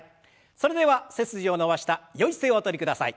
それでは背筋を伸ばしたよい姿勢をおとりください。